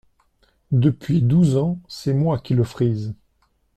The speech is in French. Depuis douze ans, c’est moi qui le frise…